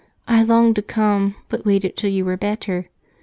I longed to come, but waited till you were better.